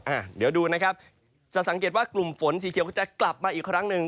อ่ะเดี๋ยวดูนะครับจะสังเกตว่ากลุ่มฝนสีเขียวก็จะกลับมาอีกครั้งหนึ่ง